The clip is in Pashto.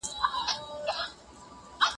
تاسي په خپلو کارونو کي بریالي یاست.